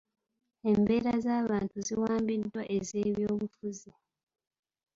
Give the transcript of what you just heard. Embeera z'abantu ziwambiddwa ez'ebyobufuzi.